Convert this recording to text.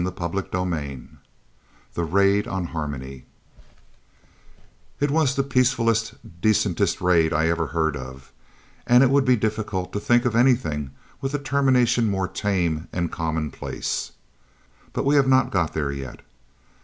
CHAPTER XXXVIII THE RAID ON HARMONY It was the peacefullest, decentest raid I ever heard of, and it would be difficult to think of anything with a termination more tame and commonplace. But we have not got there yet.